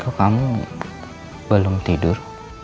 kau kamu belum tidur